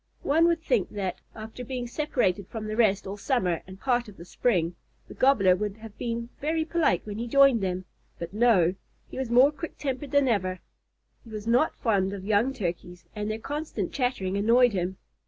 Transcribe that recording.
One would think that, after being separated from the rest all summer and part of the spring, the Gobbler would have been very polite when he joined them, but no; he was more quick tempered than ever. He was not fond of young Turkeys, and their constant chattering annoyed him.